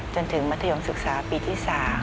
จนถึงมัธยมศึกษาปีที่๓